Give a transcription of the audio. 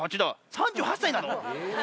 ３８歳なの？